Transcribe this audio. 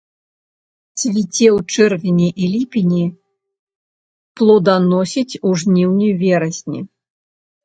Цвіце ў чэрвені і ліпені, плоданасіць у жніўні-верасні.